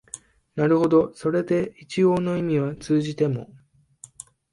なるほどそれで一応の意味は通じても、